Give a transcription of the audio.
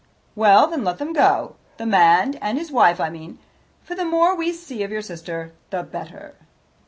"Well, let them go the man and his wife, I mean, for the more we see of your sister the better."